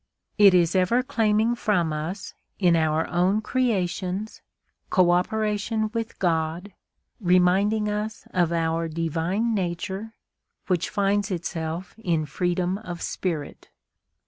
It is ever claiming from us, in our own creations, co operation with God, reminding us of our divine nature, which finds itself in freedom of spirit.